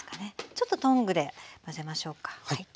ちょっとトングで混ぜましょうか。